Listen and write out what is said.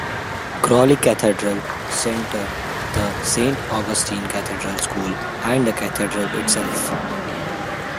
Crowley Cathedral Center, the Saint Augustine Cathedral School, and the Cathedral itself.